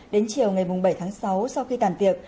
đến chiều ngày bảy tháng sáu sau khi tàn tiệc